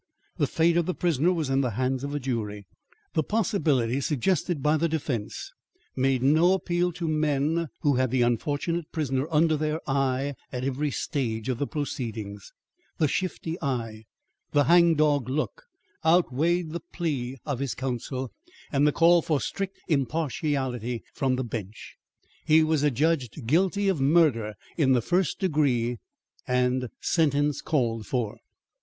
The fate of the prisoner was in the hands of a jury. The possibility suggested by the defence made no appeal to men who had the unfortunate prisoner under their eye at every stage of the proceedings. The shifty eye, the hang dog look, outweighed the plea of his counsel and the call for strict impartiality from the bench. He was adjudged guilty of murder in the first degree, and sentence called for.